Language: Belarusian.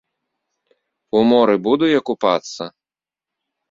У моры буду я купацца?!.